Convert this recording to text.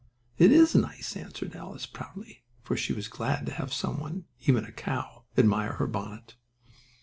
"It is nice," answered Alice proudly, for she was glad to have some one, even a cow, admire her bonnet.